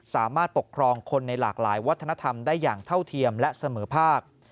สามารถปกครองคนในหลากหลายวัฒนธรรมได้อย่างเท่าเทียมและเสมอภาค